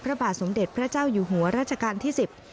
พระบาทสมเด็จพระเจ้าอยู่หัวราชการที่๑๐